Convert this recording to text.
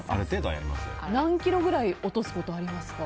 何キロぐらい落とすことありますか？